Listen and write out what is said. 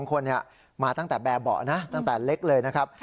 คนมาตั้งแต่แบบเบาะนะตั้งแต่เล็กเลยนะครับ